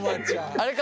あれか？